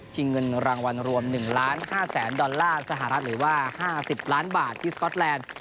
เงินรางวัลรวม๑ล้าน๕แสนดอลลาร์สหรัฐหรือว่า๕๐ล้านบาทที่สก๊อตแลนด์